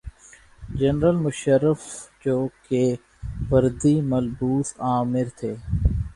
General Musharraf جوکہ وردی ملبوس آمر تھے۔